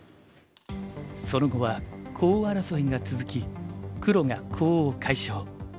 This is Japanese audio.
その後はコウ争いが続き黒がコウを解消。